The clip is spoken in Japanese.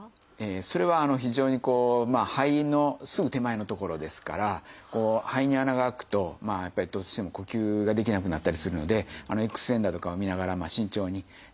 それは非常にこう肺のすぐ手前の所ですから肺に穴が開くとやっぱりどうしても呼吸ができなくなったりするのでＸ線だとかを見ながら慎重にやらないといけないですね。